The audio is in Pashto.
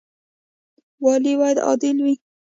والي باید عادل وي